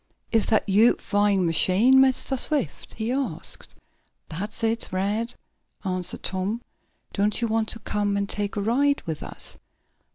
"Is dat yo' flyin' machine, Mistah Swift?" he asked. "That's it, Rad," answered Tom. "Don't you want to come and take a ride with us?"